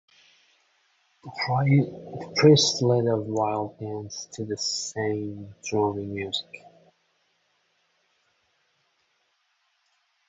The priest led a wild dance to the same droning music.